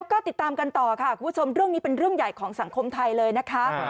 ก็ติดตามกันต่อค่ะคุณผู้ชมเรื่องนี้เป็นเรื่องใหญ่ของสังคมไทยเลยนะคะ